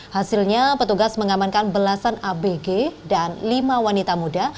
hasilnya petugas mengamankan belasan abg dan lima wanita muda